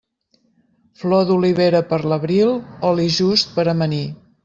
Flor d'olivera per l'abril, oli just per amanir.